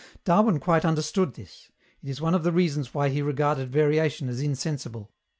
Darwin quite understood this; it is one of the reasons why he regarded variation as insensible.